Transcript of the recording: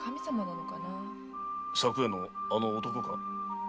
昨夜のあの男か？